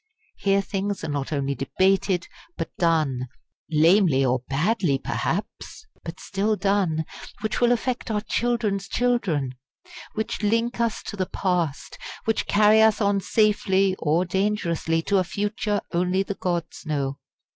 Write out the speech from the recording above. Here things are not only debated, but done lamely or badly, perhaps, but still done which will affect our children's children; which link us to the Past; which carry us on safely or dangerously to a Future only the gods know.